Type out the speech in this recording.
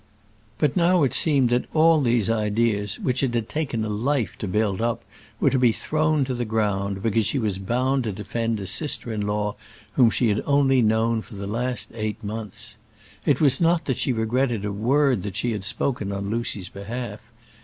But now it seemed that all these ideas which it had taken a life to build up were to be thrown to the ground, because she was bound to defend a sister in law whom she had only known for the last eight months. It was not that she regretted a word that she had spoken on Lucy's behalf.